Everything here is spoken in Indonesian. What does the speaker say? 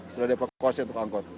tidak ada evakuasi untuk angkot